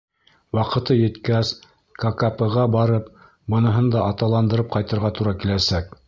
Ваҡыты еткәс, ККП-ға барып, быныһын аталандырып ҡайтырға тура киләсәк.